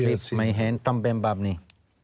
ใช่ไหมคะก็จะบอกอ่าจ่ายเงินมาเท่านี้